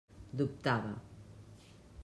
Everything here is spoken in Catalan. Dubtava.